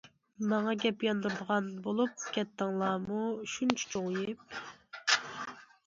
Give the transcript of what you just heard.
ماڭا گەپ ياندۇرىدىغان بولۇپ كەتتىڭلارمۇ شۇنچە چوڭىيىپ؟!